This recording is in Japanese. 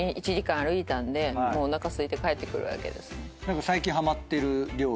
１時間歩いたんでもうおなかすいて帰ってくるわけですね。